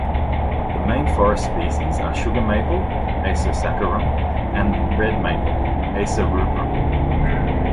The main forest species are sugar maple ("Acer saccharum") and red maple ("Acer rubrum").